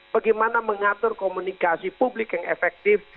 bagaimana mengatur komunikasi publik yang efektif